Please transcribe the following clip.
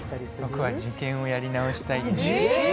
僕は受験をやり直したい。